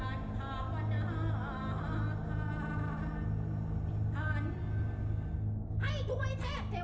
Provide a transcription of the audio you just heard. ให้ทุกคนรักรวยเป็นมหาเศรษฐี